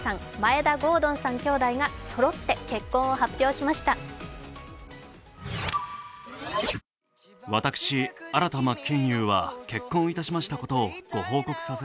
田郷敦さん兄弟がそろって結婚を発表しました。